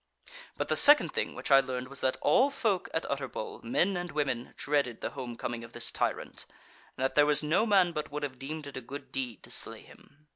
"But the second thing which I learned was that all folk at Utterbol, men and women, dreaded the home coming of this tyrant; and that there was no man but would have deemed it a good deed to slay him.